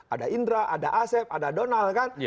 ada indra ada asep ada donald kan